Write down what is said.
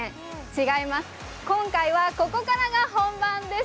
違います、今回はここからが本番です。